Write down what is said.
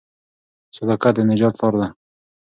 صداقت د نجات لار ده.